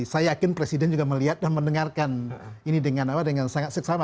saya yakin presiden juga melihat dan mendengarkan ini dengan sangat seksama